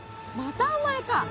またお前か。